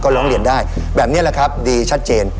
ร้องเรียนได้แบบนี้แหละครับดีชัดเจน